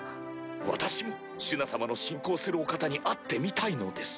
私もシュナ様の信仰するお方に会ってみたいのです。